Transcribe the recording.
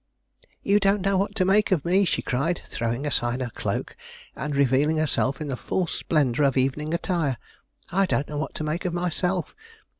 "You don't know what to make of me!" she cried, throwing aside her cloak, and revealing herself in the full splendor of evening attire. "I don't know what to make of myself.